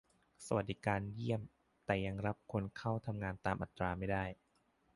สวัสดิการเยี่ยม แต่ยังรับคนเข้าทำงานตามอัตราไม่ได้